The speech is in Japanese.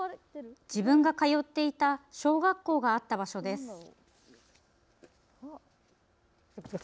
自分が通っていた小学校があった場所です。